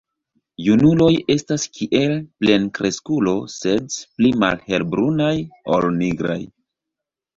Junuloj estas kiel plenkreskulo, sed pli malhelbrunaj ol nigraj.